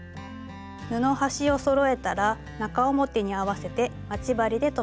布端をそろえたら中表に合わせて待ち針で留めます。